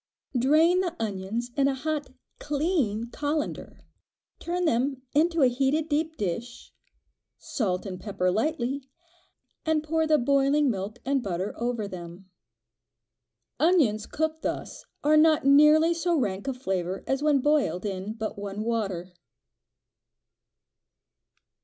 Drain the onions in a hot clean colander, turn them into a heated deep dish, salt and pepper lightly, and pour the boiling milk and butter over them. Onions cooked thus are not nearly so rank of flavor as when boiled in but one water.